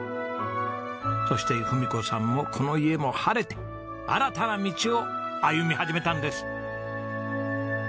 そして文子さんもこの家も晴れて新たな道を歩み始めたんです。